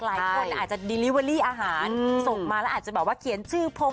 หลายคนอาจจะอาหารอืมส่งมาแล้วอาจจะบอกว่าเขียนชื่อพง